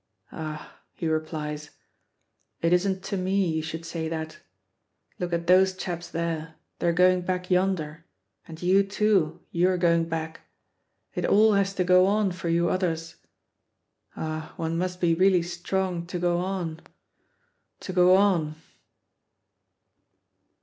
"Ah!" he replies, "it isn't to me you should say that. Look at those chaps, there, they're going back yonder, and you too, you're going back. It all has to go on for you others. Ah, one must be really strong to go on, to go on!"